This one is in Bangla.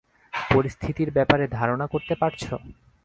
পরিস্থিতির ব্যাপারে ধারণা করতে পারছো?